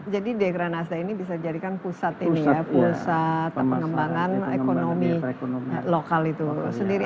jadi dekera nasda ini bisa dijadikan pusat ini ya pusat pengembangan ekonomi lokal itu sendiri